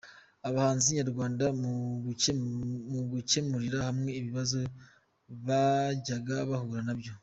Abahanzi nyarwanda mu gukemurira hamwe ibibazo bajyaga bahura na byo